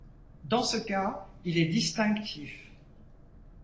Dans ce cas, il est distinctif.